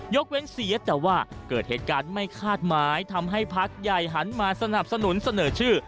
เว้นเสียแต่ว่าเกิดเหตุการณ์ไม่คาดหมายทำให้พักใหญ่หันมาสนับสนุนเสนอชื่อ